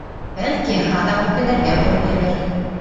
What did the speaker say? Бәлки, аҙаҡ үкенергә тура килер